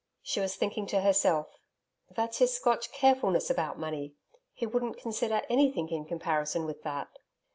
She was thinking to herself, 'That's his Scotch carefulness about money; he wouldn't consider anything in comparison with that.'